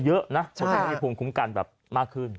เพื่อให้มีภูมิคุ้มกันแบบมากขึ้น